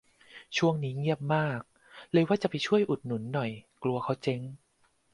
ช่วงนี้เงียบมาก เลยว่าจะไปช่วยอุดหนุนหน่อย กลัวเขาเจ๊ง